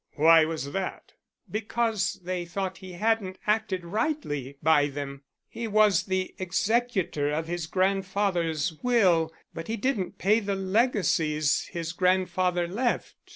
"Why was that?" "Because they thought he hadn't acted rightly by them. He was the executor of his grandfather's will, but he didn't pay the legacies his grandfather left.